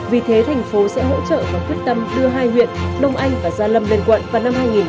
vì thế thành phố sẽ hỗ trợ và quyết tâm đưa hai huyện đông anh và gia lâm lên quận vào năm hai nghìn hai mươi